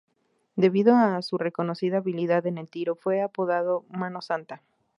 Debido a su reconocida habilidad en el tiro fue apodado "Mano Santa".